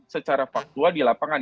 secara faktual di lapangan